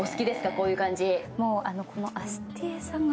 こういう感じ。